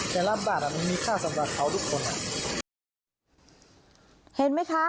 แต่รับบาทอ่ะมันมีค่าสำหรับเขาทุกคนอ่ะเห็นไหมคะ